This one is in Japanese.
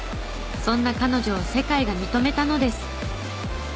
そんな彼女を世界が認めたのです。